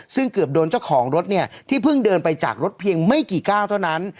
ซึ่งเกือบโดนเจ้าของรถเนี่ยที่เพิ่งเดินไปจากรถเพียงไม่กี่ก้าวเท่านั้น